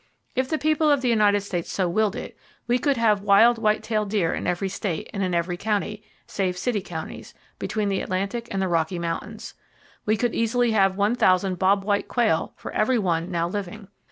If the people of the United States so willed it, we could have wild white tailed deer in every state and in every county (save city counties) between the Atlantic and the Rocky Mountains. We could easily have one thousand bob white quail for every one now living.